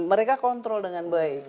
mereka kontrol dengan baik